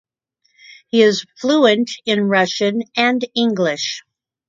He is fluent in Russian and English.